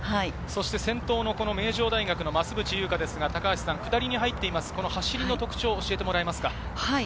先頭の名城大学・増渕祐香ですが下りに入って走りの特徴を教えてもらえますか？